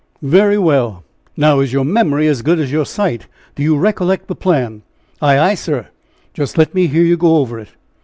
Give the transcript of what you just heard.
"Very well! now, is your memory as good as your sight? Do you recollect the plan?" "Ay, ay, sir." "Just let me hear you go over it."